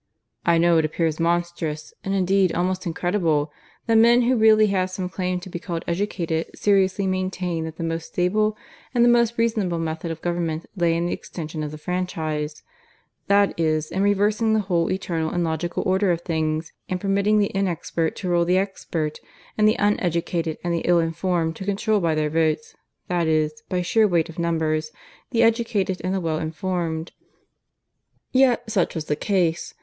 I know it appears monstrous, and indeed almost incredible, that men who really had some claim to be called educated seriously maintained that the most stable and the most reasonable method of government lay in the extension of the franchise that is, in reversing the whole eternal and logical order of things, and permitting the inexpert to rule the expert, and the uneducated and the ill informed to control by their votes that is, by sheer weight of numbers the educated and the well informed. Yet such was the case.